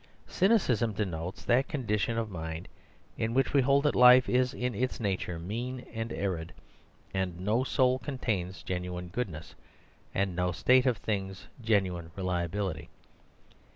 Cynicism denotes that condition of mind in which we hold that life is in its nature mean and arid; that no soul contains genuine goodness, and no state of things genuine reliability.